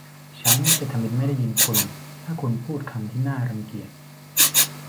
ฉันจะทำเป็นไม่ได้ยินคุณถ้าคุณพูดคำที่น่ารังเกียจ